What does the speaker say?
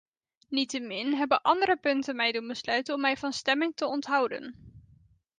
Niettemin hebben andere punten mij doen besluiten om mij van stemming te onthouden.